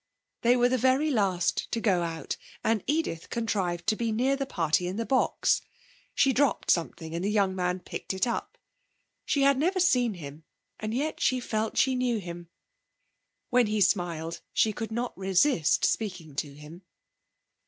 They were the very last to go out, and Edith contrived to be near the party in the box. She dropped something and the young man picked it up. She had never seen him, and yet she felt she knew him. When he smiled she could not resist speaking to him.